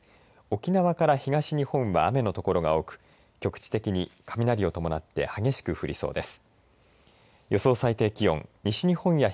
沖縄から東日本は雨の所が多く局地的に雷を伴って激しく降りそうです。